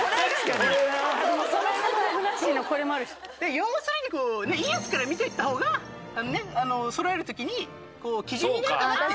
要するにいいやつから見て行ったほうがそろえる時に基準になるかなっていう。